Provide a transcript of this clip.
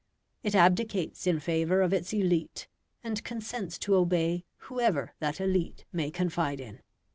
It abdicates in favour of its elite, and consents to obey whoever that elite may confide in.